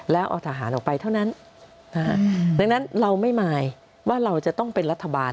แล้วเอาทหารออกไปเท่านั้นดังนั้นเราไม่มายว่าเราจะต้องเป็นรัฐบาล